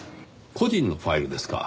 個人のファイルですか。